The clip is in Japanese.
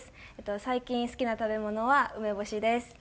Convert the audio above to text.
最近好きな食べ物は梅干しです。